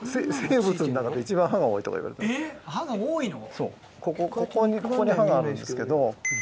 そうここに歯があるんですけど。